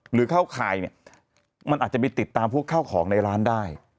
หรือเข้าข่ายเนี่ยมันอาจจะไปติดตามพวกข้าวของในร้านได้